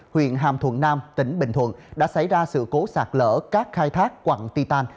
huyện hàm thuận nam tỉnh bình thuận đã xảy ra sự cố sạt lỡ các khai thác quặng titan